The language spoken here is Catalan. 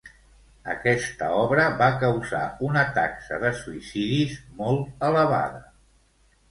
Aquesta obra va causar una taxa de suïcidis molt elevada.